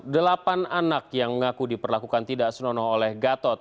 delapan anak yang mengaku diperlakukan tidak senonoh oleh gatot